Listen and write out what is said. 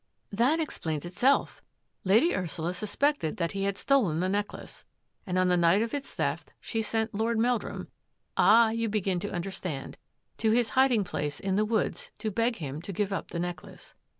" That explains itself. Lady Ursula suspected that he had stolen the necklace, and on the night of its theft she sent Lord Meldrum — ah, you begin to understand — to his hiding place in the woods to beg him to give up the necklace.